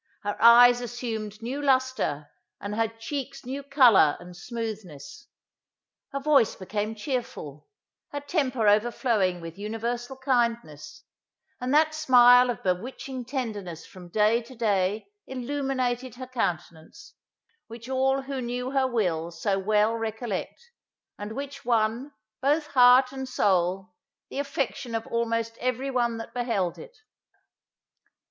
Her eyes assumed new lustre, and her cheeks new colour and smoothness. Her voice became chearful; her temper overflowing with universal kindness; and that smile of bewitching tenderness from day to day illuminated her countenance, which all who knew her will so well recollect, and which won, both heart and soul, the affection of almost every one that beheld it.